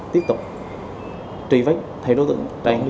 tiếp tục tri vết thay đối tượng